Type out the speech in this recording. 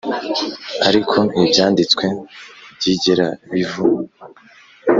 Ariko ibyanditswe ntibyigera bivu